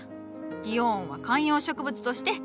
ディオーンは観葉植物として人気じゃぞ。